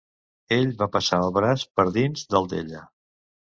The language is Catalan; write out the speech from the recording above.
Ell va passar el braç per dins del d'ella.